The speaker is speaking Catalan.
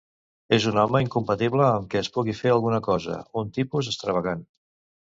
És un home incompatible amb que es pugui fer alguna cosa, un tipus extravagant.